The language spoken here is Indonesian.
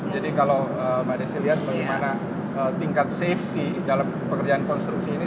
jadi kalau mbak desi lihat bagaimana tingkat safety dalam pekerjaan konstruksi ini